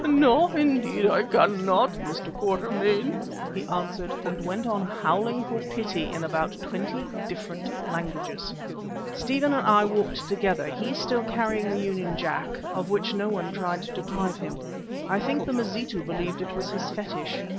"No, indeed I cannot, Mr. Quatermain," he answered, and went on howling for pity in about twenty different languages. Stephen and I walked together, he still carrying the Union Jack, of which no one tried to deprive him. I think the Mazitu believed it was his fetish.